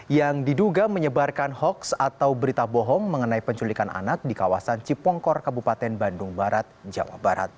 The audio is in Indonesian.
yang diduga menyebarkan hoaks atau berita bohong mengenai penculikan anak di kawasan cipongkor kabupaten bandung barat jawa barat